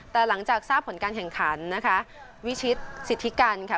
แต่หลังจากทราบผลการแข่งขันนะคะวิชิตสิทธิกันค่ะ